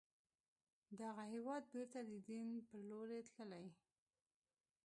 دغه هېواد بیرته د دين پر لور تللی